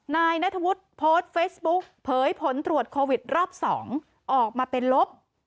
นายนัทวุฒิโพสต์เฟซบุ๊กเผยผลตรวจโควิดรอบ๒ออกมาเป็นลบ